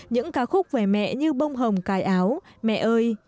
những ca khúc về mẹ như bông hồng cài áo mẹ ơi